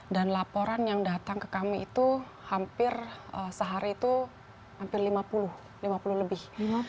dan laporan yang datang ke kami itu hampir sehari itu hampir lima puluh lima puluh lebih